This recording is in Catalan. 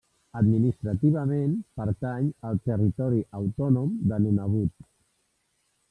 Administrativament pertany al Territori Autònom de Nunavut.